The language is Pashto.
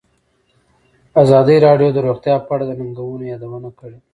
ازادي راډیو د روغتیا په اړه د ننګونو یادونه کړې.